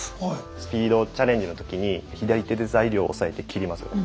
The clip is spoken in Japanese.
スピードチャレンジの時に左手で材料を押さえて切りますよね。